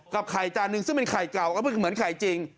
ไข่จานนึงซึ่งเป็นไข่เก่าก็คือเหมือนไข่จริง